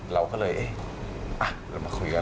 เราก็เลยเอ๊ะเรามาคุยกัน